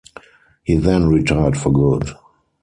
He then retired for good.